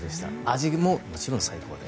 味ももちろん最高で。